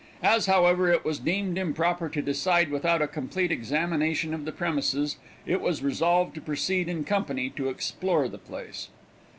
As, however, it was deemed improper to decide without a complete examination of the premises, it was resolved to proceed in company to explore the place.